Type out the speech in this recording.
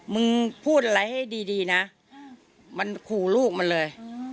มึงพูดอะไรให้ดีนะมันขู่ลูกมันเลย